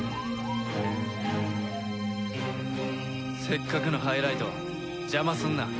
せっかくのハイライトを邪魔すんな。